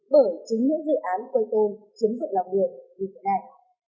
bởi chính những dự án quây tôn chiếm dụng lòng đường như thế này